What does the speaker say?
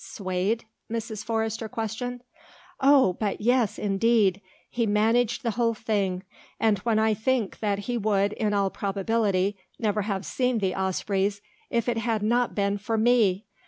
"Swayed?" Mrs. Forrester questioned. "Oh, but yes, indeed. He managed the whole thing and when I think that he would in all probability never have seen the Aspreys if it had not been for me!